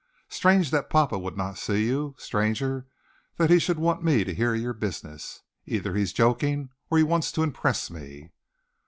"Strange that papa would not see you. Stranger that he should want me to hear your business. Either he's joking or wants to impress me.